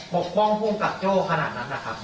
ปกป้องพวกตัดโจ้ขนาดนั้นนะครับ